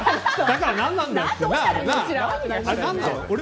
だから何なんだよってな。